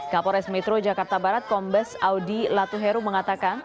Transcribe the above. kapolres metro jakarta barat kombes audi latuheru mengatakan